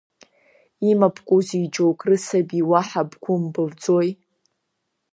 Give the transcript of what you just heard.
Имабкузеи џьоук рысаби, уаҳа бгәы мбылӡои?